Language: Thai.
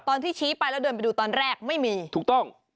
ตอนที่ชี้ไปแล้วเดินไปดูตอนแรกไม่มีถูกต้อง